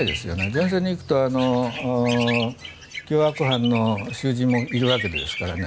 前線に行くと凶悪犯の囚人もいるわけですからね。